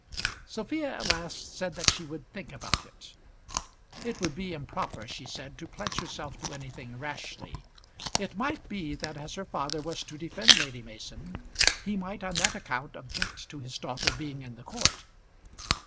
Sophia at last said that she would think about it. It would be improper, she said, to pledge herself to anything rashly. It might be that as her father was to defend Lady Mason, he might on that account object to his daughter being in the court.